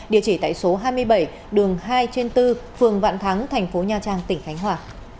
địa chỉ tại số hai mươi bảy đường hai trên bốn phường vạn thắng thành phố nha trang tỉnh khánh hòa